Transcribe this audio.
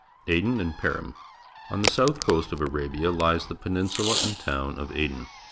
ADEN AND PERIM '■ On the .south coast of Arabia hes the peninsula and town of Aden.